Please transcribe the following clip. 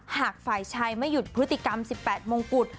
หากฝ่ายชายไม่หยุดพฤติกรรม๑๘มงกุฎ